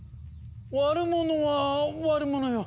悪者は悪者よ。